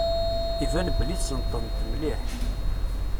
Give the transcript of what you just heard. Iban belli tessneḍ-tent mliḥ.